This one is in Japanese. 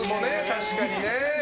確かにね。